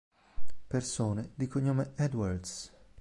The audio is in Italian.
Persone di cognome Edwards